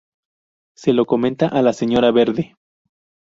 Se lo comenta a la señora Verde.